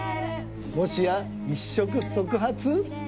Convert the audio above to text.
もしや「一触即発」